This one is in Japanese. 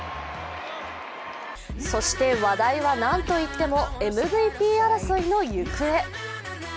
そして話題は、なんといってもＭＶＰ争いの行方。